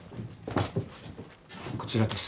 こちらです。